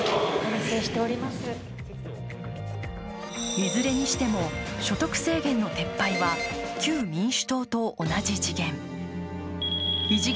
いずれにしても所得制限の撤廃は旧民主党と同じ次元。